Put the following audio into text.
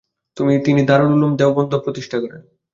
তিনি দারুল উলুম দেওবন্দ প্রতিষ্ঠা করেন।